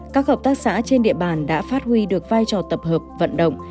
các hợp tác xã trên địa bàn đã phát huy được vai trò tập hợp vận động